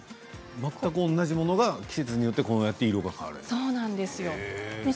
全く同じものが季節によって、こうやって色が変わるってすごいね。